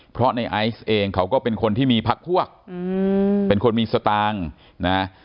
เพราะในไอซ์เองเขาก็เป็นคนที่มีพักพวกเป็นคนมีสตางค์นะ